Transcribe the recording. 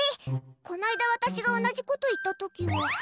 この間私が同じこと言った時は。